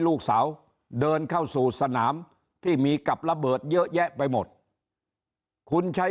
ลูกสาวเดินเข้าสู่สนามที่มีกับระเบิดเยอะแยะไปหมดคุณใช้